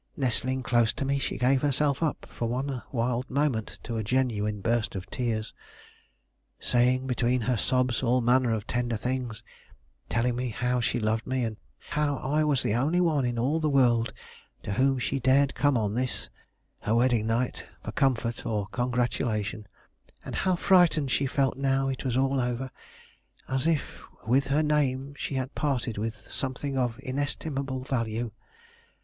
Nestling close to me, she gave herself up for one wild moment to a genuine burst of tears, saying between her sobs all manner of tender things; telling me how she loved me, and how I was the only one in all the world to whom she dared come on this, her wedding night, for comfort or congratulation, and of how frightened she felt now it was all over, as if with her name she had parted with something of inestimable value.